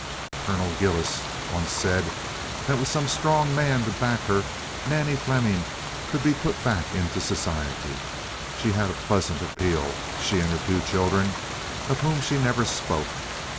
Colonel Gillis once said that with some strong man to back her, Nannie Fleming could be put back into society. She had a pleasant appeal—she and her two children, of whom she never spoke.